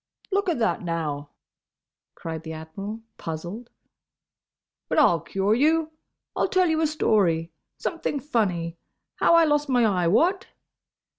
"Look a that, now!" cried the Admiral, puzzled. "But I'll cure you! I'll tell you a story. Something funny. How I lost my eye—what?"